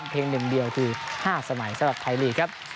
หนึ่งเดียวคือ๕สมัยสำหรับไทยลีกครับ